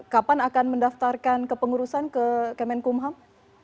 kapan akan mendaftarkan kepengurusan ke kemenkumham